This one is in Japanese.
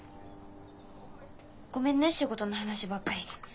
ごめんね仕事の話ばっかりで。